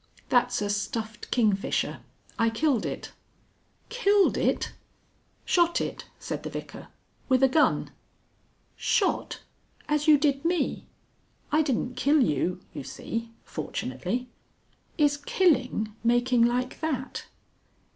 "That's a stuffed kingfisher. I killed it." "Killed it!" "Shot it," said the Vicar, "with a gun." "Shot! As you did me?" "I didn't kill you, you see. Fortunately." "Is killing making like that?"